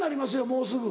もうすぐ。